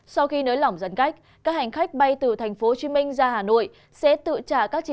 sau khi nới lỏng giãn cách các hành khách bay từ tp hcm ra hà nội sẽ tự trả các chi phí cách ly và xét nghiệm